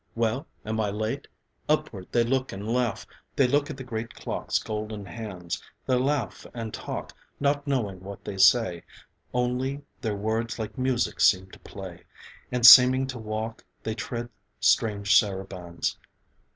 'Well, am I late?' Upward they look and laugh, They look at the great clock's golden hands, They laugh and talk, not knowing what they say: Only, their words like music seem to play; And seeming to walk, they tread strange sarabands.